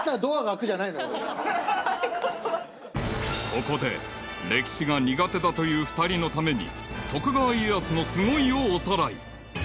［ここで歴史が苦手だという２人のために徳川家康のすごいをおさらい］